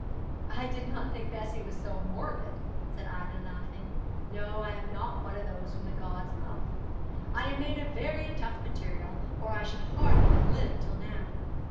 'I did not think Bessie was so morbid,' said Ida, laughing. 'No, I am not one of those whom the gods love. I am made of very tough material, or I should hardly have lived till now.